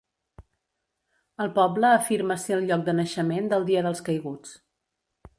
El poble afirma ser el lloc de naixement del Dia dels Caiguts.